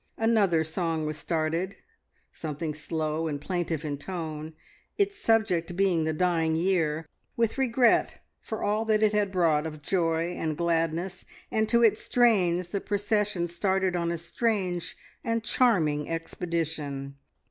Another song was started, something slow and plaintive in tone, its subject being the dying year, with regret for all that it had brought of joy and gladness, and to its strains the procession started on a strange and charming expedition.